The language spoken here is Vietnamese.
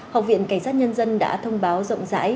học viện cảnh sát nhân dân đã thông báo rộng rãi